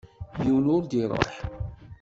Yiwen ur d-iṛuḥ.